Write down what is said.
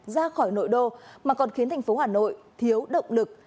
ra khỏi nội đô mà còn khiến thành phố hà nội thiếu động lực